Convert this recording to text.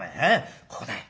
ここだい」。